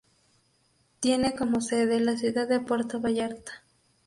Tiene como sede la ciudad de Puerto Vallarta.